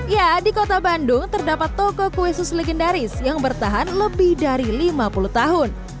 ya di kota bandung terdapat toko kue sus legendaris yang bertahan lebih dari lima puluh tahun